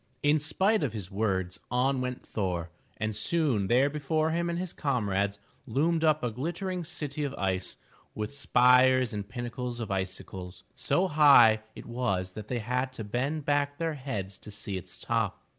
In spite of his words, on went Thor, and soon there before him and his comrades loomed up a glittering city of ice, with spires and pinnacles of icicles. So high it was that they had to bend back their heads to see its top.